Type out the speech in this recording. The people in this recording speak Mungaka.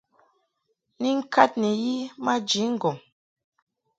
Ni ŋkad ni yi maji ŋgɔŋ.